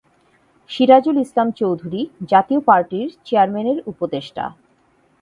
সিরাজুল ইসলাম চৌধুরী জাতীয় পার্টির চেয়ারম্যানের উপদেষ্টা।